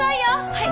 はい！